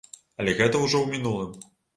Але гэта ўжо ў мінулым.